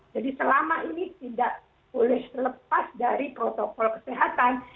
jadi selama ini tidak boleh selepas dari protokol keseluruhan